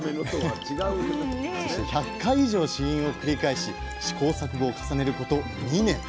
そして１００回以上試飲を繰り返し試行錯誤を重ねること２年。